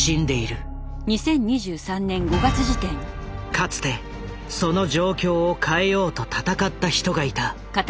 かつてその状況を変えようと闘った人がいた。